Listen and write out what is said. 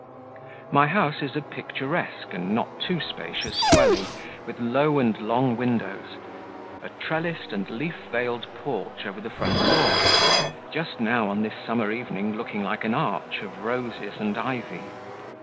My house is a picturesque and not too spacious dwelling, with low and long windows, a trellised and leaf veiled porch over the front door, just now, on this summer evening, looking like an arch of roses and ivy.